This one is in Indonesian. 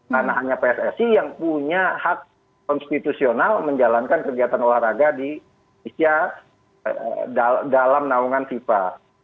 karena hanya pssi yang punya hak konstitusional menjalankan kegiatan olahraga di indonesia dalam naungan fifa